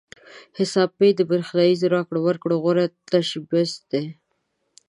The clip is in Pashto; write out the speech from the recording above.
حساب پې د برېښنايي راکړو ورکړو غوره تشبث دی.